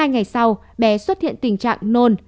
hai ngày sau bé xuất hiện tình trạng nôn